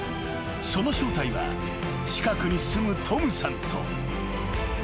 ［その正体は近くに住むトムさんと］